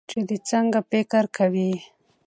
چې د څنګه فکر کوي